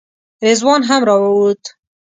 رضوان هم راووت.